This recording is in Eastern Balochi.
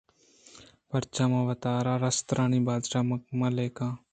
پرچہ من وتارا رسترانی بادشاہ مہ لیکاں